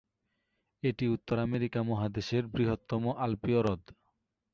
এটি উত্তর আমেরিকা মহাদেশের বৃহত্তম আল্পীয় হ্রদ।